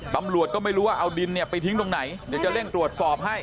ตำรวจก็ไม่รู้ว่าเอาดินเนี่ยไปทิ้งตรงไหนเดี๋ยวจะเร่งตรวจสอบให้